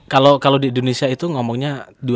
kalau di indonesia itu ngomongnya